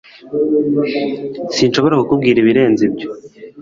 Sinshobora kukubwira ibirenze ibyo